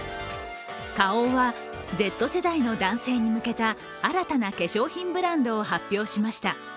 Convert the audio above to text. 花王はＺ世代の男性に向けた新たな化粧品ブランドを発表しました。